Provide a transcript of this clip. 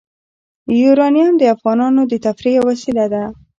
یورانیم د افغانانو د تفریح یوه وسیله ده.